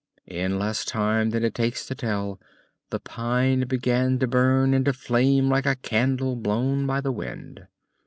In less time than it takes to tell, the pine began to burn and to flame like a candle blown by the wind.